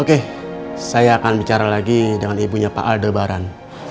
oke saya akan bicara lagi dengan ibunya pak aldebaran